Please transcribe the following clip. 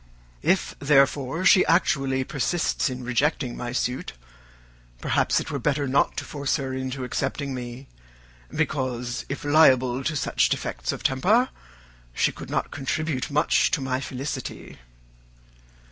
If, therefore, she actually persists in rejecting my suit, perhaps it were better not to force her into accepting me, because, if liable to such defects of temper, she could not contribute much to my felicity."